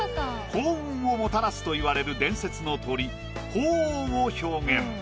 幸運をもたらすといわれる伝説の鳥鳳凰を表現。